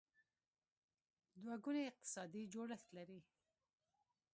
دوه ګونی اقتصادي جوړښت لري.